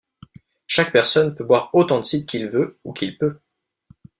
Chaque personne peut boire autant de cidre qu'il veut ou qu'il peut.